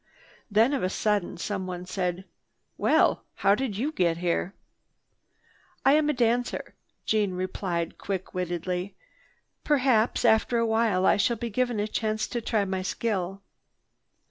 Then of a sudden someone said, "Well! How did you get here?" "I am a dancer," Jeanne replied quick wittedly. "Perhaps after a while I shall be given a chance to try my skill."